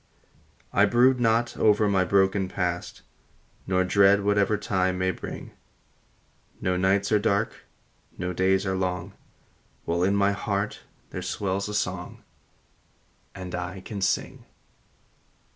I brood not over the broken past, Nor dread whatever time may bring; No nights are dark, no days are long, While in my heart there swells a song, And I can sing.